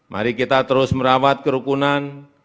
mari kita terus merawat kerukunan